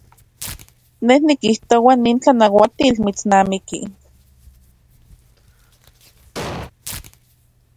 Ne nikijtoa nin tlanauatil mitsnamiki.